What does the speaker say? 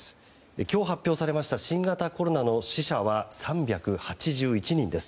今日発表されました新型コロナの死者は３８１人です。